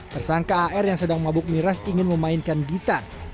tersangka ar yang sedang mabuk miras ingin memainkan gitar